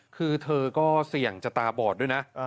คือเธอก็เสี่ยงจะตาบอดด้วยนะ